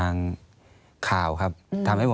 อันดับ๖๓๕จัดใช้วิจิตร